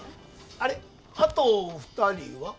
あれあと２人は？